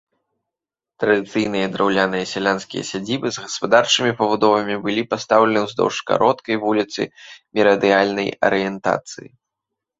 Традыцыйныя драўляныя сялянскія сядзібы з гаспадарчымі пабудовамі былі пастаўлены ўздоўж кароткай вуліцы мерыдыянальнай арыентацыі.